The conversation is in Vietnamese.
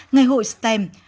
ngày hội stem